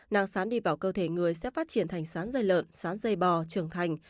nang sán đi vào cơ thể người sẽ phát triển thành sán dây lợn sán dây bò trưởng thành